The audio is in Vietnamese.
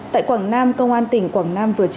tại quảng nam công an tỉnh quảng nam vừa trở lại